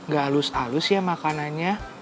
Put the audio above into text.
gak halus halus ya makanannya